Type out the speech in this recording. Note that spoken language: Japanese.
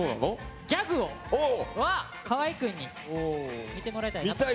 ギャグを河合くんに見てもらいたいなと。